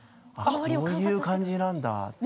ああいう感じなんだと。